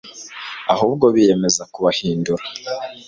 ahubwo biyemeza kubahindura